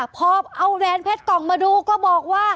พอเอาแหวนเพชรกล่องมาดูก็บอกว่า